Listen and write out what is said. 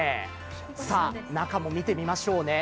さあ、中も見てみましょうね。